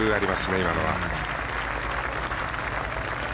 今のは。